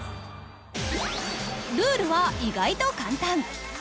ルールは意外と簡単。